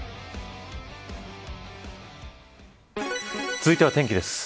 続いては天気です。